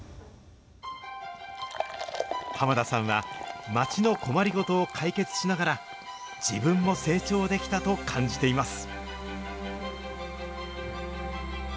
濱田さんは、まちの困りごとを解決しながら、自分も成長できたと感じています。